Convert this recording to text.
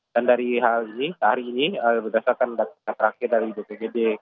dan dari hal ini hari ini berdasarkan data terakhir dari bgpb